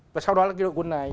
và sau đó là cái đội quân này